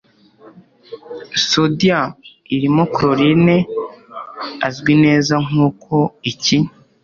Sodium irimo chlorine azwi neza Nk'uko iki